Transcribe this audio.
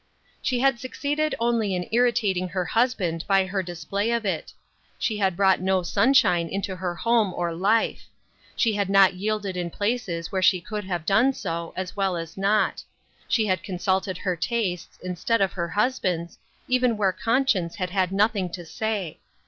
She had succeeded only in irritating her husband by her display of it. It had brought no sunshine into her home or life. She had not yielded in places where she could have done so, as well as not. She had consulted her tastes, instead of her husband's, even where conscience had had nothing to say.